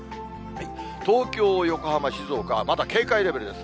東京、横浜、静岡はまだ警戒レベルです。